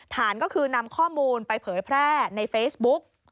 ฐานก็คือนำข้อมูลไปเผยแพร่ในเฟซบุ๊ก